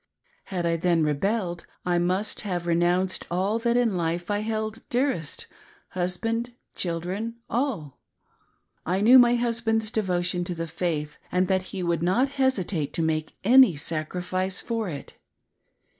Had I then rebelled, I must have renounced, all that in life I held dearest — husband, children, all. I knew my husband's devotion to the faith and that he would not hesitate to make any sacrifice for it.